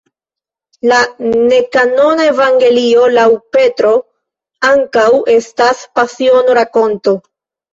La ne-kanona Evangelio laŭ Petro ankaŭ estas Pasiono-rakonto.